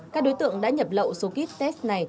các đối tượng đã nhập lậu số kit test này